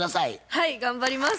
はい頑張ります。